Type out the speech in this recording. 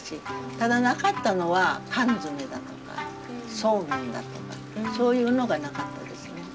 ただなかったのは缶詰だとかそうめんだとかそういうのがなかったですね。